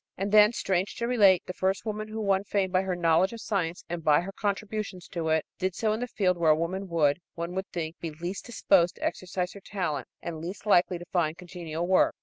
And then, strange to relate, the first woman who won fame by her knowledge of science and by her contributions to it, did so in the field where a woman would, one would think, be least disposed to exercise her talent and least likely to find congenial work.